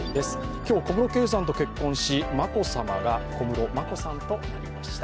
今日、小室圭さんと結婚し、眞子さまが小室眞子さんとなりました。